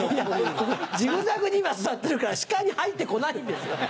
ジグザグに今座ってるから視界に入って来ないんですよ。